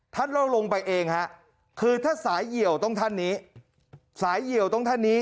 ท่านเล่าลงไปเองฮะคือถ้าสายเหี่ยวต้องท่านนี้